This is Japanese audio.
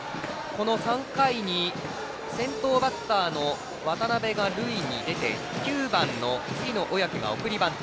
この３回に先頭バッターの渡邉が塁に出て９番の次の小宅が送りバント。